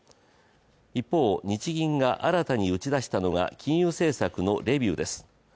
一方、日銀が新たに打ち出したのが金融政策のレビューです。